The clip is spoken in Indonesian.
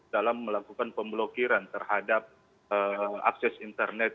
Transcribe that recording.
dalam melakukan pemblokiran terhadap akses internet